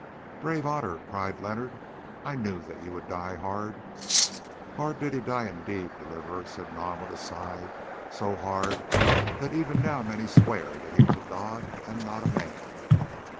"Bravo, Otter!" cried Leonard; "I knew that you would die hard." "Hard did he die indeed, Deliverer," said Nam with a sigh, "so hard that even now many swear that he was a god and not a man.